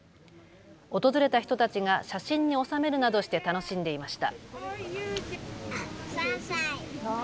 訪れた人たちが写真に収めるなどして楽しんでいました。